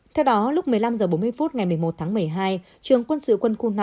theo đó lúc một mươi năm h bốn mươi phút ngày một mươi một tháng một mươi hai trường quân sự quân khu năm